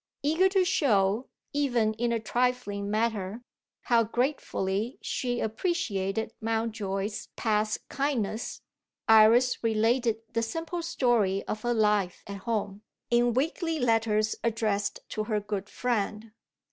Eager to show, even in a trifling matter, how gratefully she appreciated Mountjoy's past kindness, Iris related the simple story of her life at home, in weekly letters addressed to her good friend.